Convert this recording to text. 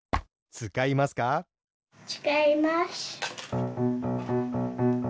つかいます。